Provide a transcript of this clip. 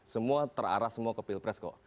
semua terarah semua ke pilpres kok